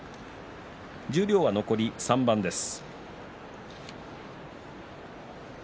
十両は残り３番です。